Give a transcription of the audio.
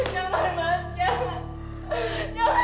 jangan mas jangan